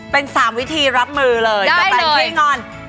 เป็น๓วิธีรับมือเลยกับแฟนขี้งอน